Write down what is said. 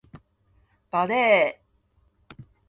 バレー